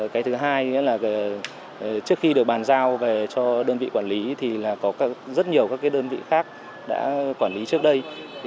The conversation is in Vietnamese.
cái thứ hai là trước khi được bàn giao về cho đơn vị quản lý thì có rất nhiều đơn vị khác đã quản lý trước đây